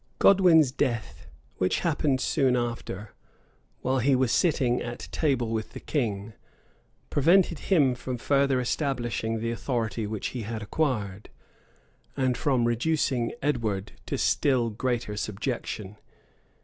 Godwin's death, which happened soon after, while he was sitting at table with the king, prevented him from further establishing the authority which he had acquired, and from reducing Edward to still greater subjection.